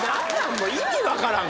もう意味分からん